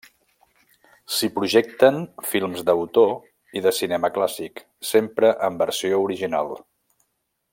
S'hi projecten films d'autor i de cinema clàssic, sempre en versió original.